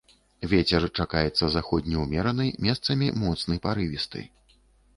Вецер чакаецца заходні ўмераны, месцамі моцны парывісты.